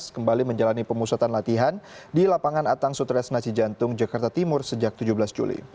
kembali menjalani pemusatan latihan di lapangan atang sutres naci jantung jakarta timur sejak tujuh belas juli